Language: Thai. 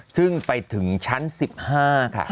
ซึ่งไปถึงชั้น๑๕ค่ะ